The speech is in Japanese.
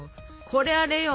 これあれよ！